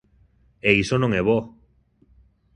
E iso non é bo.